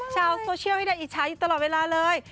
ชาวโซเชียลให้ได้อิจฉาอยู่ตลอดเวลาเลย